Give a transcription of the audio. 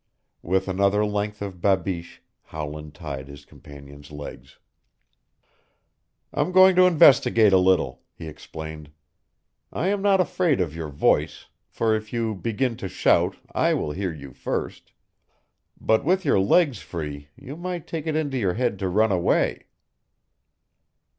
With another length of babeesh Howland tied his companion's legs. "I'm going to investigate a little," he explained. "I am not afraid of your voice, for if you begin to shout I will hear you first. But with your legs free you might take it into your head to run away."